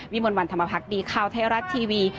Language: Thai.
มนต์วันธรรมพักดีข่าวไทยรัฐทีวี